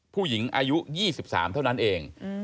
ผู้หญิงอายุ๒๓เท่านั้นเอง